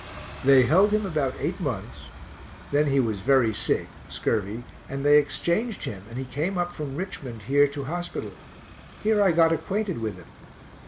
They held him about eight months then he was very sick, scurvy, and they exchanged him and he came up from Richmond here to hospital; here I got acquainted with him.